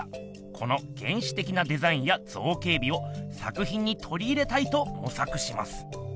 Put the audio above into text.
この原始的なデザインや造形美を作品にとり入れたいともさくします。